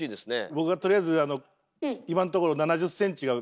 僕はとりあえず今んところ７０大きい。